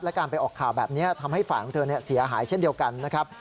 การไปออกข่าวแบบนี้ทำให้ฝ่ายของเธอเสียหายเช่นเดียวกันนะครับ